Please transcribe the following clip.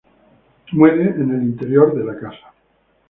Muere en el interior de la casa.